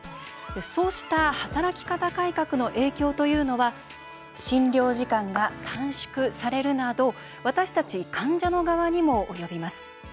そうした働き方改革の影響は診療時間が短縮されるなど私たち患者の側にも及びます。